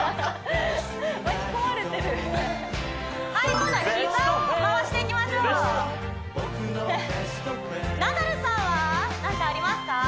巻き込まれてるはい今度は膝を回していきましょうナダルさんはなんかありますか？